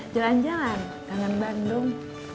jalan jalan tangan bandung